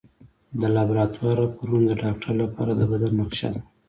د لابراتوار راپورونه د ډاکټر لپاره د بدن نقشه ده.